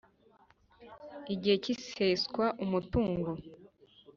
Igihe cy iseswa umutungo